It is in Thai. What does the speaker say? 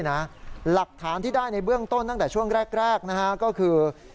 หลักฐานที่ได้ในเบื้องต้นตั้งแต่ช่วงแรกก็คือ